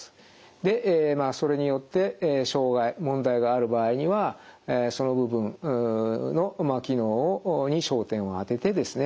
でそれによって障害問題がある場合にはその部分の機能に焦点を当ててですね